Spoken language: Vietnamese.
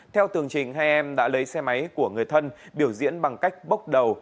theo tường trình hai em đã lấy xe máy của người thân biểu diễn bằng cách bốc đầu